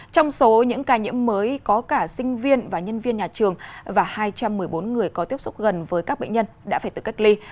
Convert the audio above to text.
trong số những ca nhiễm mới có cả sinh viên và nhân viên nhà trường và hai trăm một mươi bốn người có tiếp xúc gần với các bệnh nhân đã phải tự cách ly